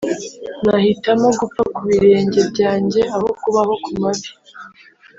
nahitamo gupfa ku birenge byanjye aho kubaho ku mavi